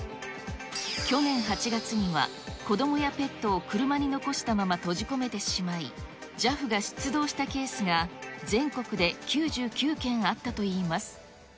去年８月には子どもやペットを車に残したまま閉じ込めてしまい、ＪＡＦが出動したケースが全国で９９件あったといいます。